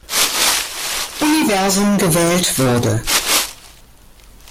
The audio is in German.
Universum gewählt wurde.